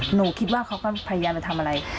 หนูคิดว่าเขาก็พยายามจะทำอะไร